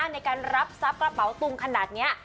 ในการรับทรัพย์กระเป๋าตุงขนาดนี้